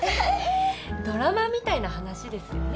ドラマみたいな話ですよね。